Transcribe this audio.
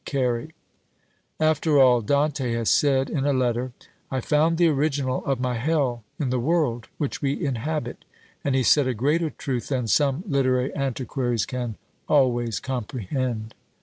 CARY. After all, Dante has said in a letter, "I found the ORIGINAL of MY HELL in THE WORLD which we inhabit;" and he said a greater truth than some literary antiquaries can always comprehend!